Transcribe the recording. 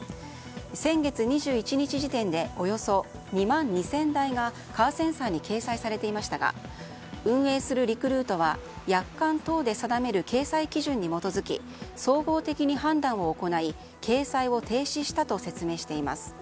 先月２１日時点でおよそ２万２０００台がカーセンサーに掲載されていましたが運営するリクルートは約款等で定める掲載基準に基づき総合的に判断を行い掲載を停止したと説明しています。